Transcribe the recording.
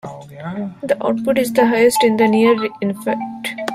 The output is highest in the near infrared.